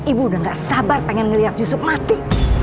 ibu udah gak sabar pengen ngeliat yusuf mati